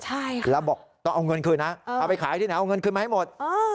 ใช่ค่ะแล้วบอกต้องเอาเงินคืนนะเอาไปขายที่ไหนเอาเงินคืนมาให้หมด